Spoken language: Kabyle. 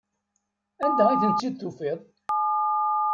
Anda ay tent-id-tufiḍ?